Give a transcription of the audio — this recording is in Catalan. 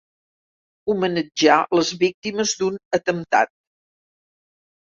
Homenatjar les víctimes d'un atemptat.